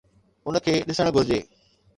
ان کي ڏسڻ گهرجي.